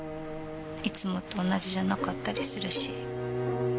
いつもと同じじゃなかったりするし。